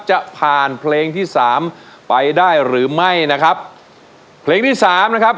จะผ่านเพลงที่สามไปได้หรือไม่นะครับเพลงที่สามนะครับ